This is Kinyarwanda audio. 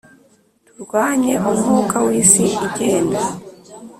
Turwanye umwuka w isi igenda